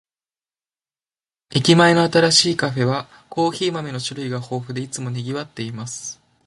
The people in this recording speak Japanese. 駅前の新しいカフェは、コーヒー豆の種類が豊富で、いつも賑わっています。